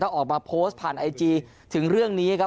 ออกมาโพสต์ผ่านไอจีถึงเรื่องนี้ครับ